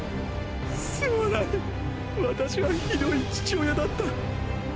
すまない私はひどい父親だった！！